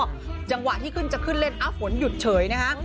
ก็จังหวะที่จะขึ้นเล่นฝนหยุดเฉยนะคะ